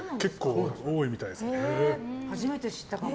初めて知ったかも。